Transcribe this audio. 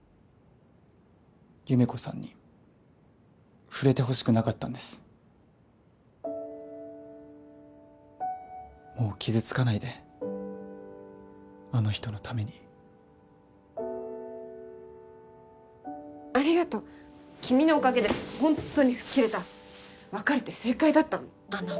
優芽子さんに触れてほしくなかったんですもう傷つかないであの人のためにありがとう君のおかげでホントに吹っ切れた別れて正解だったのあんな